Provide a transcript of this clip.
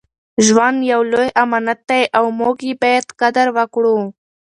ژوند یو لوی امانت دی او موږ یې باید قدر وکړو.